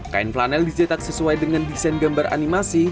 kain flanel dijetak sesuai dengan desain gambar animasi